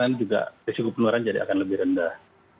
kemudian resiko penularan akan lebih rendah